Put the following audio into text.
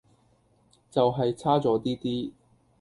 就係差左啲啲